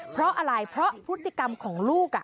เพราะพูดธิกรรมของลูก